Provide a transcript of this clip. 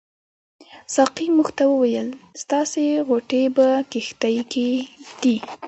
ساقي موږ ته وویل ستاسې غوټې په کښتۍ کې دي.